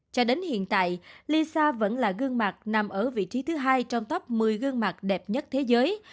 cho đến hiện tại lisa vẫn là gương mặt nằm ở vị trí thứ hai trong top một mươi gương mặt đẹp nhất thế giới